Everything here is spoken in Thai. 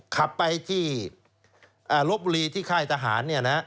ขับไปที่ลบบุรีที่ค่ายทหาร